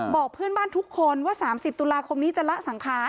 บอกเพื่อนบ้านทุกคนว่า๓๐ตุลาคมนี้จะละสังขาร